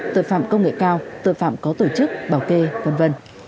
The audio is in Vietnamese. tội phạm công nghệ cao tội phạm có tổ chức bảo kê v v